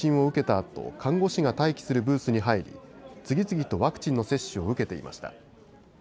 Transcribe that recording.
あと看護師が待機するブースに入り次々とワクチンの接種を受けていました。